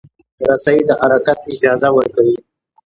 رسۍ د حرکت اجازه ورکوي.